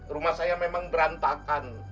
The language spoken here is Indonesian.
rumah saya memang berantakan